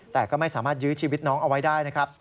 แต่ก็ไม่สามารถยื้อชีวิตน้องเอาไว้ได้นะครับ